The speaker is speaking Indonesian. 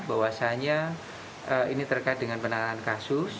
bahwasannya ini terkait dengan penanganan kasus